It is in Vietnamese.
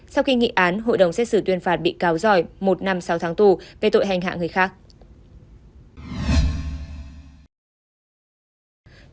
sau khi nghị án hội đồng xét xử tuyên phạt bị cáo giỏi một năm sáu tháng tù về tội hành hạ người khác